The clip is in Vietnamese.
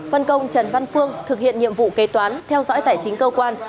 phân công trần văn phương thực hiện nhiệm vụ kế toán theo dõi tài chính cơ quan